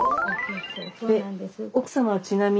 で奥様はちなみに。